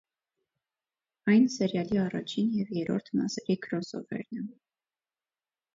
Այն սերիալի առաջին և երրորդ մասերի քրոսովերն է։